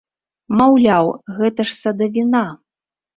Маўляў, гэта ж садавіна!